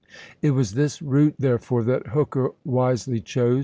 It was this route, therefore, that Hooker wisely chose.